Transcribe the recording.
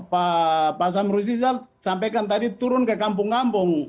pak sam rizal sampaikan tadi turun ke kampung kampung